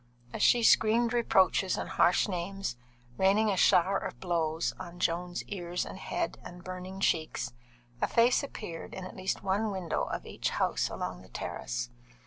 As she screamed reproaches and harsh names, raining a shower of blows on Joan's ears and head and burning cheeks, a face appeared in at least one window of each house along the Terrace.